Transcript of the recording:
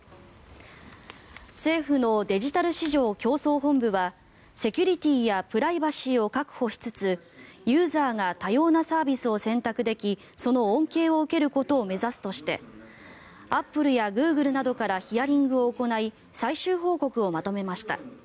政府のデジタル市場競争本部はセキュリティーやプライバシーを確保しつつユーザーが多様なサービスを選択できその恩恵を受けることを目指すとしてアップルやグーグルなどからヒアリングを行い最終報告をまとめました。